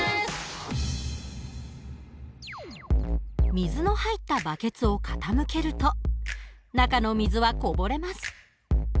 水の入ったバケツを傾けると中の水はこぼれます。